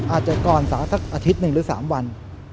อาจจะก่อนสักอาทิตย์หนึ่งหรือ๓วัน